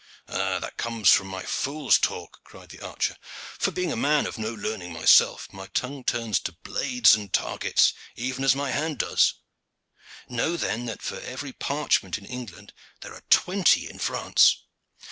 "That comes from my fool's talk," cried the archer; "for being a man of no learning myself, my tongue turns to blades and targets, even as my hand does. Know then that for every parchment in England there are twenty in France.